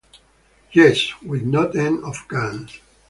Yes, we've no end of guns.